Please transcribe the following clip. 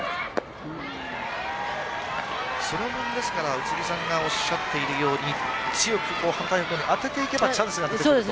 宇津木さんがおっしゃっているように強く反対方向に当てていけばチャンスがあると。